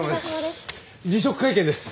辞職会見です。